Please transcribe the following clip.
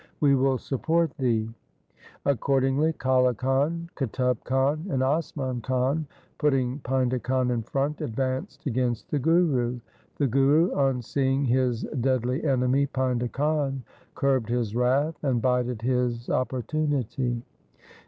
We will support thee.' Ac cordingly Kale Khan, Qutub Khan, and Asman Khan, putting Painda Khan in front, advanced against the Guru. The Guru, on seeing his deadly enemy Painda Khan, curbed his wrath and bided his opportunity.